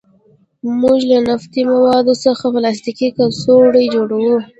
موږ له نفتي موادو څخه پلاستیکي کڅوړې جوړوو.